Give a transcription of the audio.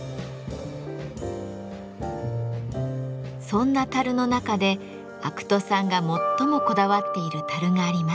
そんな樽の中で肥土さんが最もこだわっている樽があります。